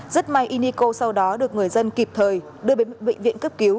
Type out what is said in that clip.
rất may y niko sau đó được người dân kịp thời đưa đến bệnh viện cấp cứu